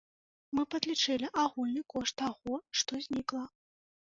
Мы падлічылі агульны кошт таго, што знікла.